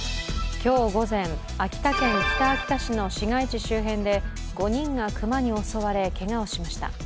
今日午前、秋田県北秋田市の市街地周辺で５人が熊に襲われ、けがをしました。